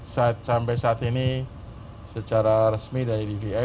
sampai saat ini secara resmi divi